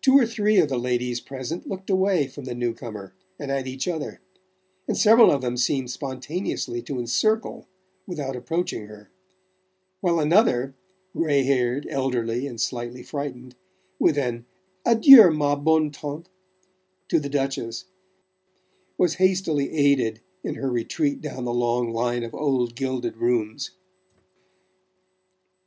Two or three of the ladies present looked away from the new comer and at each other, and several of them seemed spontaneously to encircle without approaching her, while another grey haired, elderly and slightly frightened with an "Adieu, ma bonne tante" to the Duchess, was hastily aided in her retreat down the long line of old gilded rooms.